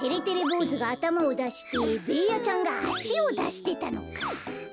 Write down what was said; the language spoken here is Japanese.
ぼうずがあたまをだしてべーヤちゃんがあしをだしてたのか。